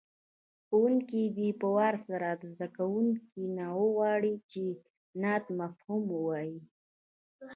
ښوونکی دې په وار سره له زده کوونکو وغواړي چې د نعت مفهوم ووایي.